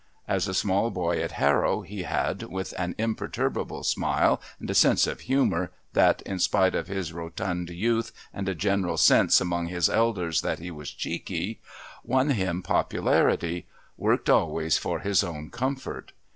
As a small boy at Harrow he had, with an imperturbable smile and a sense of humour that, in spite of his rotund youth and a general sense amongst his elders that he was "cheeky," won him popularity, worked always for his own comfort.